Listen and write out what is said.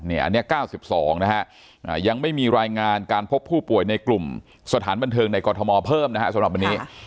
อันนี้๙๒นะฮะยังไม่มีรายงานการพบผู้ป่วยในกลุ่มสถานบันเทิงในกรทมเพิ่มนะฮะสำหรับวันนี้